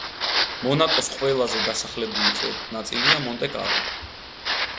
მონაკოს ყველაზე დასახლებული ნაწილია მონტე-კარლო.